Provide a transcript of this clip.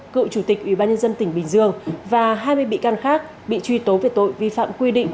cựu chủ tịch ủy ban nhân dân tỉnh bình dương và hai mươi bị can khác bị truy tố về tội vi phạm quy định